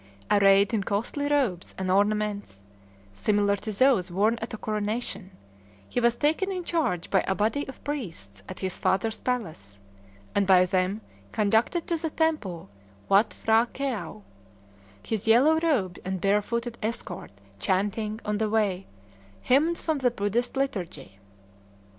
Arrayed in costly robes and ornaments, similar to those worn at a coronation, he was taken in charge by a body of priests at his father's palace, and by them conducted to the temple Watt P'hra Këau, his yellow robed and barefooted escort chanting, on the way, hymns from the Buddhist liturgy.